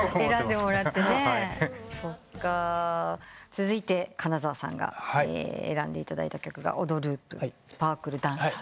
続いて金澤さんが選んでいただいた曲が『オドループ』『スパークルダンサー』